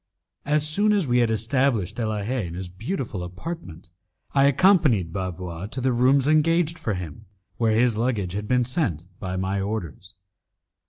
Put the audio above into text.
As soon as we had established De la Haye in his beautiful apartment, I accompanied Bavois to the rooms engaged for him, where his luggage had been sent by my orders.